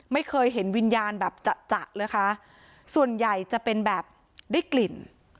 ไม่เคยเห็นวิญญาณแบบจะจะนะคะส่วนใหญ่จะเป็นแบบได้กลิ่น